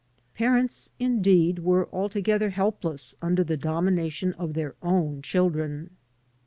Parents, indeed, were altogether helpless under the domination of their own children.